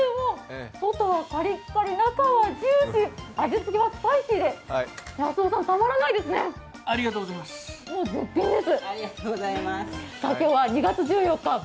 外はカリッカリ、中はジューシー、味付けはスパイシーで康雄さん、たまらないですね、絶品です。